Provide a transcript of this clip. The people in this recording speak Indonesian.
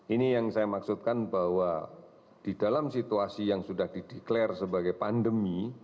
ini yang saya maksudkan bahwa di dalam situasi yang sudah dideklarasi sebagai pandemi